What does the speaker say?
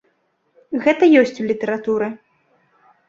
Гэта ёсць у літаратуры.